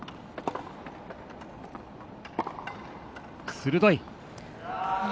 鋭い！